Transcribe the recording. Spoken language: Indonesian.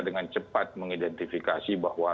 dengan cepat mengidentifikasi bahwa